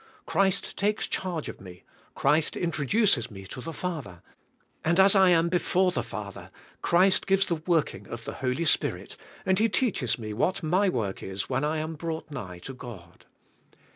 Christ takes charge of me, Christ intro duces me to the Father, and as I am before the Father, Christ gives the working of the Holy Spirit, and He teaches me what my work is when I am brought nigh to God.